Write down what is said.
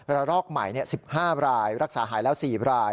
รอกใหม่๑๕รายรักษาหายแล้ว๔ราย